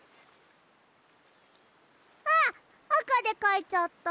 あっあかでかいちゃった。